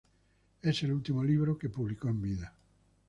Es el último libro que publicó en vida.